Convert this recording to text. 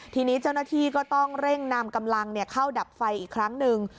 ทีนี้เจ้าหน้าที่ก็ต้องเร่งนำกำลังเข้าดับไฟอีกครั้งหนึ่ง